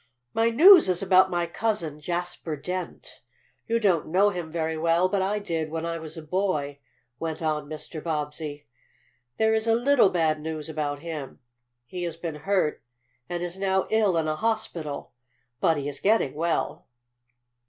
My news is about my cousin, Jasper Dent. You don't know him very well; but I did, when I was a boy," went on Mr Bobbsey. "There is a little bad news about him. He has been hurt and is now ill in a hospital, but he is getting well."